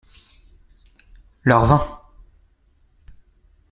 Leur vin.